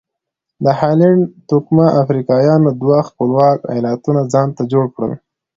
د هالنډ توکمه افریقایانو دوه خپلواک ایالتونه ځانته جوړ کړل.